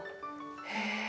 へえ。